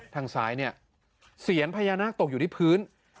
ทางซ้ายเนี่ยเสียญพญานาคตกอยู่ที่พื้น